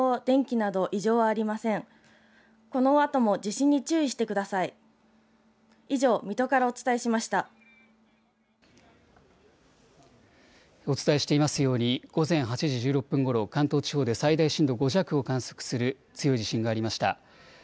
お伝えしていますように午前８時１６分ごろ関東地方で最大震度５弱を観測する強い地震がありました。